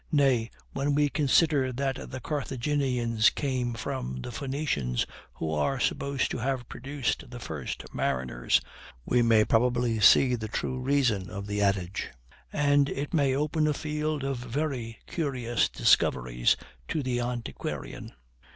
Nay, when we consider that the Carthaginians came from the Phoenicians who are supposed to have produced the first mariners, we may probably see the true reason of the adage, and it may open a field of very curious discoveries to the antiquarian.